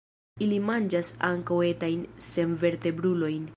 Ili manĝas ankaŭ etajn senvertebrulojn.